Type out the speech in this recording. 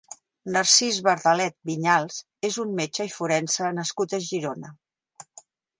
Narcís Bardalet Viñals és un metge i forense nascut a Girona.